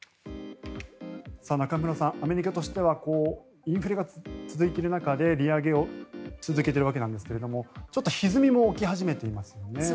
中室さん、アメリカとしてはインフレが続いている中で利上げを続けているわけなんですけどもちょっとひずみも起き始めていますよね。